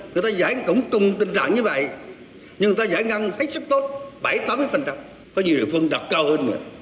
người ta giải ngân cũng cùng tình trạng như vậy nhưng người ta giải ngân hết sức tốt bảy tám phần trăm có nhiều địa phương đặc cao hơn nữa